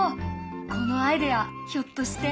このアイデアひょっとして？